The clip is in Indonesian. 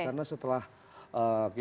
karena setelah kita